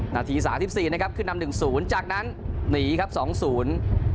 นาทีสามสิบสี่นะครับขึ้นนำหนึ่งศูนย์จากนั้นหนีครับสองศูนย์